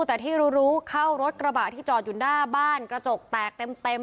แต่ที่รู้รู้เข้ารถกระบะที่จอดอยู่หน้าบ้านกระจกแตกเต็ม